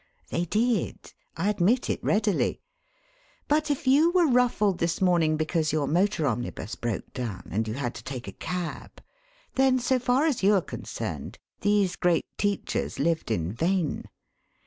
They did. I admit it readily. But if you were ruffled this morning because your motor omnibus broke down, and you had to take a cab, then so far as you are concerned these great teachers lived in vain.